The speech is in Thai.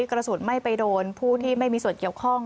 กระสุนไม่ไปโดนผู้ที่ไม่มีส่วนเกี่ยวข้อง